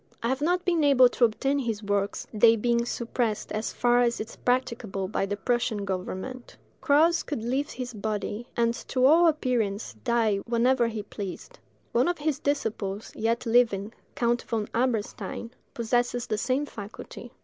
I have not been able to obtain his works, they being suppressed as far as is practicable by the Prussian government. Krause could leave his body, and, to all appearance, die whenever he pleased. One of his disciples, yet living, Count von Eberstein, possesses the same faculty.